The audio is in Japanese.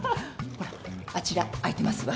ほらあちら空いてますわ。